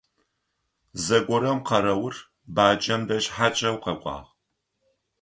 Зэгорэм къэрэур баджэм дэжь хьакӀэу къэкӀуагъ.